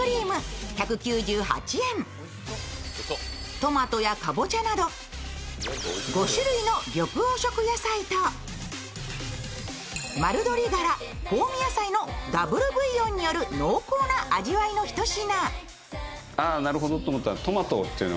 トマトやかぼちゃなど５種類の緑黄色野菜と丸鶏ガラ、香味野菜のダブルブイヨンによる濃厚な味わいのひと品。